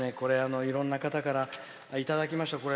いろんなかたからいただきました。